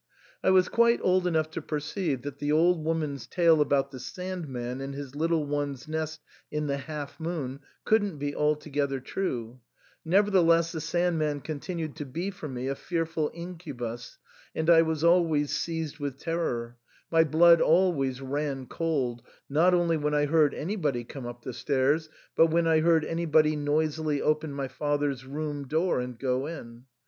I was quite old enough to perceive that the old woman's tale about the Sand man and his little ones' nest in the half moon couldn't be altogether true ; nevertheless the Sand man continued to be for me a fearful incubus, and I was always seized with terror — my blood always ran cold, not only when I heard anybody come up the stairs, but when I heard anybody noisily open my father's room door and go in.